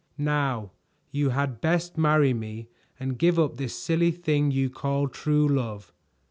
"Now you had best marry me and give up this silly thing you call true love.